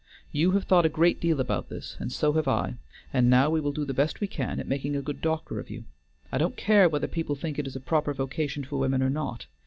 You have thought a great deal about this, and so have I, and now we will do the best we can at making a good doctor of you. I don't care whether people think it is a proper vocation for women or not.